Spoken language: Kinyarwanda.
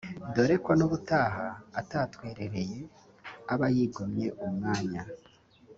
dore ko n’ubutaha atatwerereye aba yigomwe umwanya